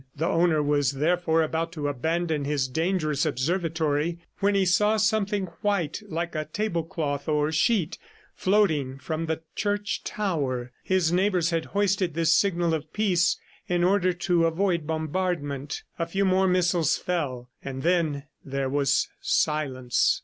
The owner was therefore about to abandon his dangerous observatory when he saw something white like a tablecloth or sheet floating from the church tower. His neighbors had hoisted this signal of peace in order to avoid bombardment. A few more missiles fell and then there was silence.